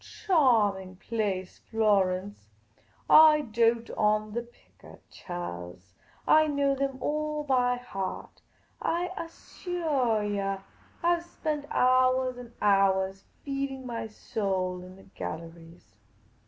" Chawming place, Florence ! I dote on the pickchahs. I know them all by heart. I assuah yah, I 've spent houahs and houahs feeding my soul in the galleries."